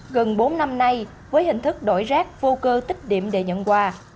gần bốn năm nay với hình thức đổi rác vô cơ tích điểm để nhận quà